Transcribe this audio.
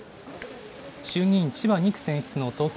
衆議院千葉２区選出の当選